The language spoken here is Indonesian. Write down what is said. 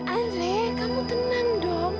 andri kamu tenang dong